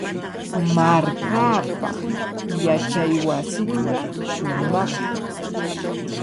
Markaapa yachaywasinqa shumaqmi.